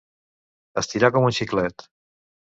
Estirar com un xiclet.